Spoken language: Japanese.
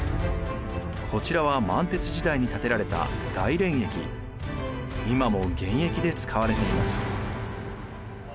こちらは満鉄時代に建てられた今も現役で使われています。